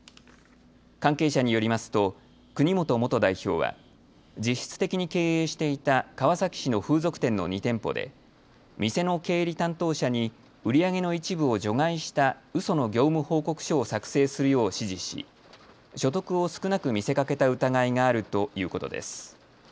関係者によりますと国本元代表は実質的に経営していた川崎市の風俗店の２店舗で店の経理担当者に売り上げの一部を除外した、うその業務報告書を作成するよう指示し所得を少なく見せかけた疑いがあるということです。